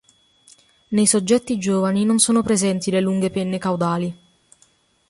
Nei soggetti giovani non sono presenti le lunghe penne caudali.